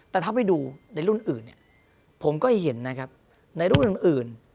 แต่ถ้าไปดูในรุ่นอื่นผมก็เห็นในรุ่นอื่น